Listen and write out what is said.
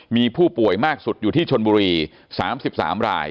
มีผู้ป่วยมากสุดอยู่ที่ชนบุรี๓๓ราย